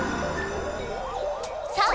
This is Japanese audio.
さあ！